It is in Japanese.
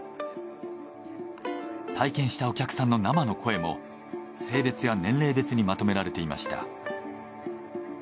体験したお客さんの生の声も性別や年齢別にまとめられていました。